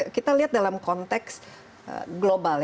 kita lihat dalam konteks global